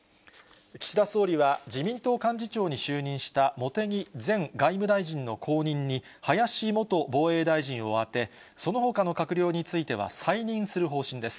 岸田総理は、自民党幹事長に就任した茂木前外務大臣の後任に、林元防衛大臣を充て、そのほかの閣僚については、再任する方針です。